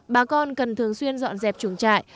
bà con cần thường xuyên dọn dẹp chuồng trại